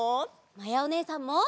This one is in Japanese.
まやおねえさんも。